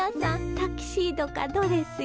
タキシードかドレスよ。